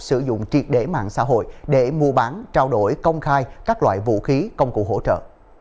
sử dụng triệt để mạng xã hội để mua bán trao đổi công khai các loại vũ khí công cụ hỗ trợ